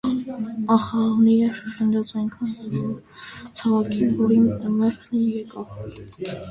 - Ա՛խ, աղավնի՜ է,- շշնջաց այնքան ցավագին, որ իմ մեղքն էլ եկավ: